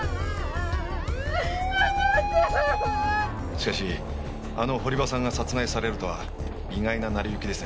しかしあの堀場さんが殺害されるとは意外な成り行きですね。